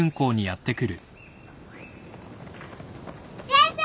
先生！